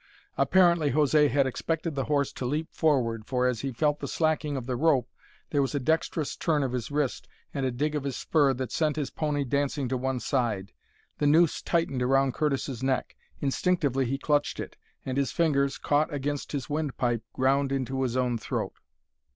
Apparently José had expected the horse to leap forward, for, as he felt the slacking of the rope, there was a dextrous turn of his wrist, and a dig of his spur that sent his pony dancing to one side. The noose tightened around Curtis's neck. Instinctively he clutched it, and his fingers, caught against his windpipe, ground into his own throat.